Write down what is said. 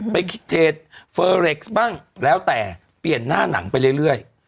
คิดเทจเฟอร์เร็กซ์บ้างแล้วแต่เปลี่ยนหน้าหนังไปเรื่อย